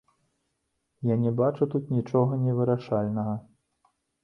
Я не бачу тут нічога невырашальнага.